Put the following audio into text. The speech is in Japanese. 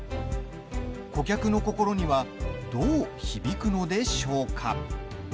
顧客の心にはどう響くのでしょうか。